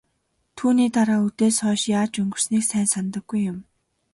Түүний дараа үдээс хойш яаж өнгөрснийг сайн санадаггүй юм.